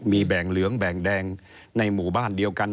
มีแบ่งเหลืองแบ่งแดงในหมู่บ้านเดียวกัน